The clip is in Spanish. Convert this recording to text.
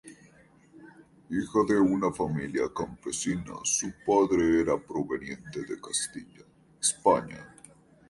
Hija de una familia campesina, su padre era proveniente de Castilla, España.